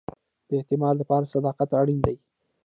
د اعتماد لپاره صداقت اړین دی